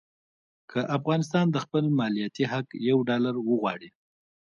که افغانستان د خپل مالیاتي حق یو ډالر وغواړي.